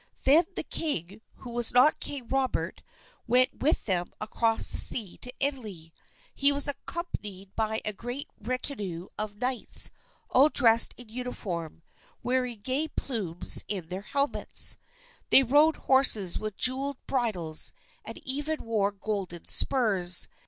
Then the king who was not King Robert went with them across the sea to Italy. He was accompanied by a great retinue of knights, all dressed in uniform, wearing gay plumes in their helmets. They rode horses with jeweled bridles, and even wore golden spurs.